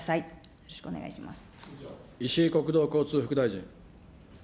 よろしくお願いします。